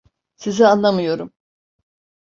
Sizi anlamıyorum.